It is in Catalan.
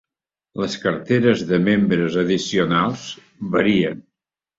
Les carteres de membres addicionals varien.